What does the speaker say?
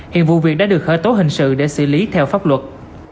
hiện vụ việc đã được khởi tố hình sự để xử lý theo pháp luật